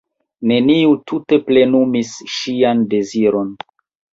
Neniu tute plenumis ŝian deziron.